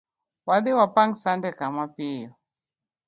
Wadhii wapang sande ka mapiyo